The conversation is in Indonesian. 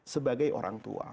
sebagai orang tua